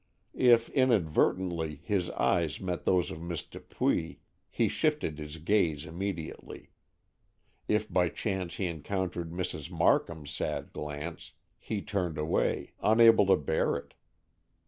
If, inadvertently, his eyes met those of Miss Dupuy, he shifted his gaze immediately. If by chance he encountered Mrs. Markham's sad glance, he turned away, unable to bear it.